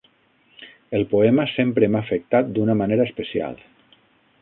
El poema sempre m'ha afectat d'una manera especial.